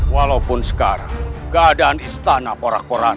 walaupun sekarang keadaan istana porak poraan